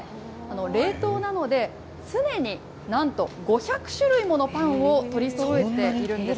冷凍なので、常になんと５００種類ものパンを取りそろえているんです。